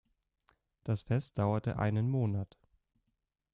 Das Fest dauerte einen Monat.